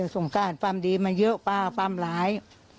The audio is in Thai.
สงสารความดีมันเยอะป่าวความหลาย